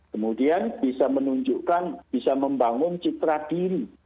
kemudian bisa menunjukkan bisa membangun citra diri